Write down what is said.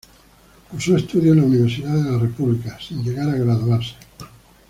Cursó estudios en la Universidad de la República, sin llegar a graduarse.